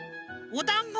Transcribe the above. おだんご？